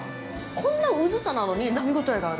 こんな薄さなのに、かみ応えがある！